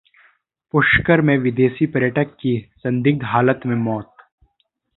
पुष्कर में विदेशी पर्यटक की संदिग्ध हालत में मौत